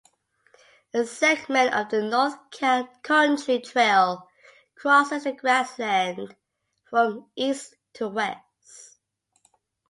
A segment of the North Country Trail crosses the Grassland from east to west.